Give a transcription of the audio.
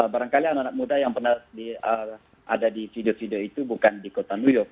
barangkali anak anak muda yang pernah ada di video video itu bukan di kota new york